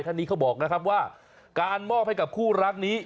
ท่านนี้เขาบอกนะครับว่าการมอบให้กับคู่รักนี้